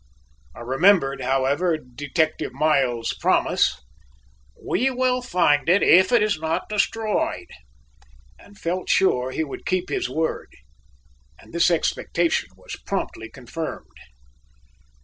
I remembered, however, Detective Miles's promise, "We will find it if it is not destroyed," and felt sure he would keep his word, and this expectation was promptly confirmed.